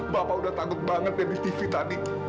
bapak udah takut banget dari tv tadi